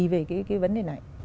về cái vấn đề này